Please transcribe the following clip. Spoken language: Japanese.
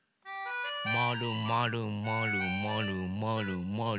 まるまるまるまるまるまる。